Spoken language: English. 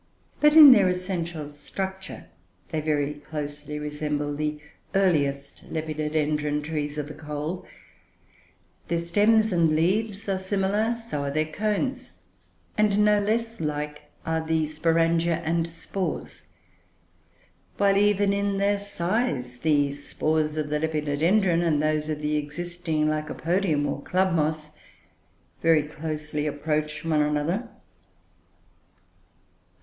But, in their essential structure, they very closely resemble the earliest Lepidodendroid trees of the coal: their stems and leaves are similar; so are their cones; and no less like are the sporangia and spores; while even in their size, the spores of the Lepidodendron and those of the existing Lycopodium, or club moss, very closely approach one another.